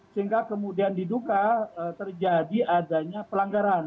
sehingga kemudian diduga terjadi adanya pelanggaran